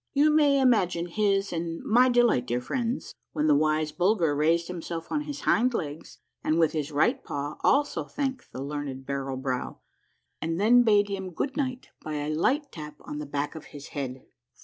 You may imagine his and my delight, dear friends, when the wise Bulger raised himself upon his hind legs, and with his right paw also thanked the learned Barrel Brow, and then bade him good night by a light tap on the back of his head.